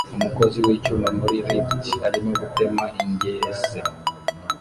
Umukozi wicyuma muri lift arimo gutema ingese